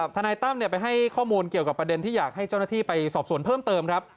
ทนายตั้มไปให้ข้อมูลเกี่ยวกับประเด็นที่อยากให้เจ้าหน้าที่ไปสอบส่วนเพิ่มเติมครับ